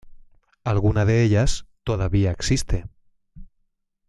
Alguna de ellas todavía existe.